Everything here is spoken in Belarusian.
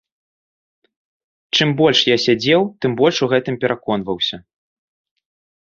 Чым больш я сядзеў, тым больш у гэтым пераконваўся.